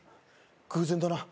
偶然だな